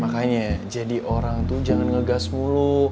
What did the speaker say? makanya jadi orang tuh jangan ngegas mulu